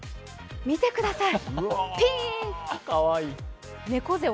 見てください。